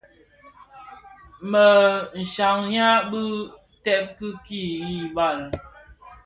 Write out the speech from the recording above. Më shyayaň bi tsèd kid hi bal.